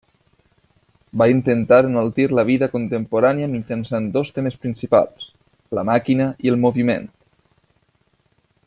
Va intentar enaltir la vida contemporània mitjançant dos temes principals: la màquina i el moviment.